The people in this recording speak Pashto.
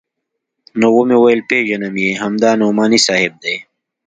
نو ومې ويل پېژنم يې همدا نعماني صاحب دى.